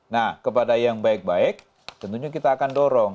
nah kepada yang baik baik tentunya kita akan dorong